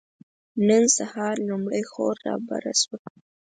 نن سهار لومړۍ خور رابره شوه.